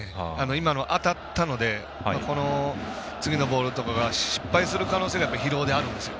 今の当たったのでこの次のボールとかが失敗する可能性が疲労であるんですよね。